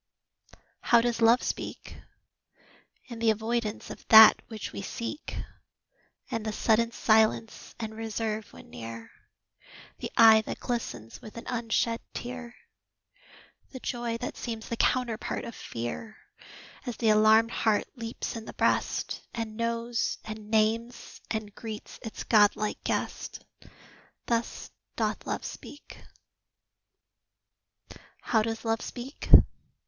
How does Love speak? In the avoidance of that which we seek The sudden silence and reserve when near The eye that glistens with an unshed tear The joy that seems the counterpart of fear, As the alarmed heart leaps in the breast, And knows and names and greets its godlike guest Thus doth Love speak. How does Love speak?